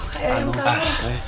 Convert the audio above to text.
kayak yang salah